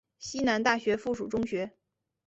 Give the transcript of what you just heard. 西南大学附属中学。